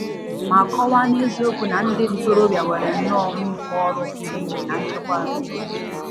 ma kọwaa n'eziokwu na ndị ntorobịa nwere nnọọ nnukwu ọrụ pụrụ iche na nchekwa obodo.